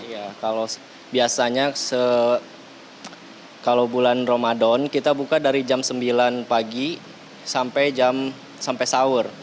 iya kalau biasanya kalau bulan ramadan kita buka dari jam sembilan pagi sampai jam sampai sahur